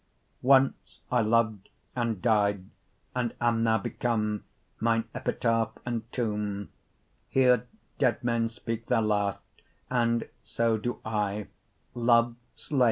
Once I lov'd and dy'd; and am now become Mine Epitaph and Tombe. Here dead men speake their last, and so do I; Love slaine, loe, here I lye.